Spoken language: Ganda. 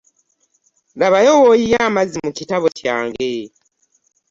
Labayo woyiye amazzi mu kitabo kyange.